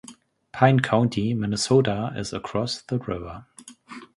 Pine County, Minnesota, is across the river.